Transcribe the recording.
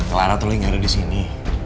clara telinga gak ada disini